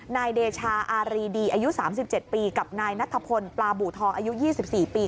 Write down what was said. นายเดชาอารีดีอายุ๓๗ปีกับนายนัทพลปลาบูทองอายุ๒๔ปี